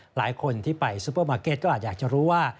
หลายคนที่ไปซุปเปอร์มาร์เก็ตก็อาจอยากจะรู้ว่า